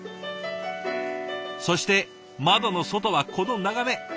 そして窓の外はこの眺め。